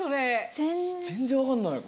全然分かんないわこれ。